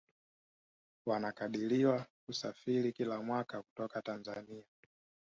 Wanakadiriwa kusafiri kila mwaka kutoka Tanzania